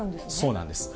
そうなんです。